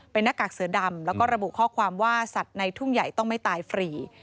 เป็นหน้ากากเสือดำแล้วก็ระบุข้อความว่าสัตว์ในทุ่งใหญ่ต้องไม่ตายฟรี